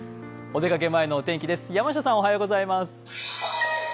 お出かけ前のお天気です。